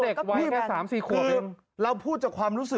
โอ้โหลูกขวนมาลูกเอ้ย